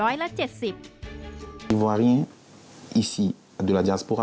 อิวารีย์ที่นี่ในอิวารีย์อย่างไอเวอรี่เราจะไม่ได้เห็น